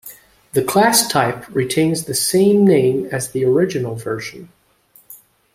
The class type retains the same name as the original version.